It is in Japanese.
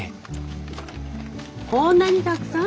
こんなにたくさん！